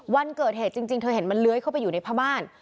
วันเกิดเหตุจริงเธอเห็นมันเลื้อยเข้าไปอยู่ในพม่าน